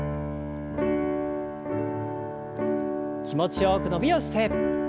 気持ちよく伸びをして。